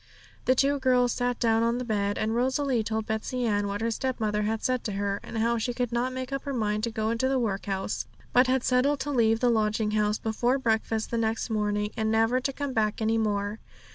The two girls sat down on the bed, and Rosalie told Betsey Ann what her stepmother had said to her, and how she could not make up her mind to go into the workhouse, but had settled to leave the lodging house before breakfast the next morning, and never to come back any more.